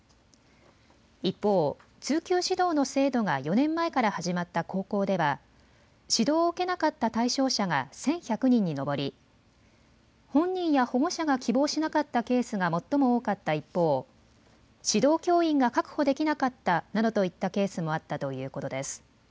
一方、通級指導の制度が４年前から始まった高校では指導を受けなかった対象者が１１００人に上り本人や保護者が希望しなかったケースが最も多かった一方、指導教員が確保できなかったなどといったケースもあったということです。